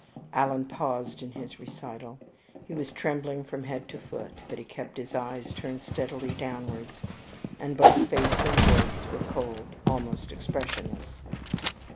Alan paused in his recital. He was trembling from head to foot; but he kept his eyes turned steadily downwards, and both face and voice were cold almost expressionless.